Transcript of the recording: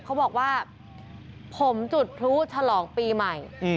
เขาบอกว่าผมจุดพลุฉลองปีใหม่